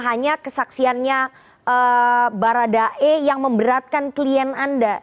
hanya kesaksiannya baradae yang memberatkan klien anda